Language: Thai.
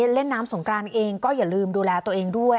เล่นน้ำสงกรานเองก็อย่าลืมดูแลตัวเองด้วย